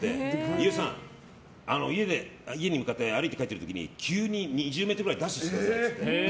飯尾さん、家に向かって歩いて帰っている時に急に２０ｍぐらいダッシュしてくださいって。